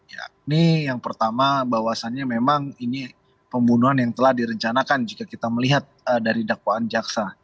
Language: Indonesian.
ya ini yang pertama bahwasannya memang ini pembunuhan yang telah direncanakan jika kita melihat dari dakwaan jaksa